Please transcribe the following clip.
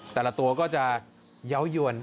แต่ละตัวก็จะเยาว์ยวน